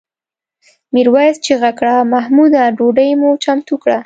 میرويس چیغه کړه محموده ډوډۍ مو چمتو کړه؟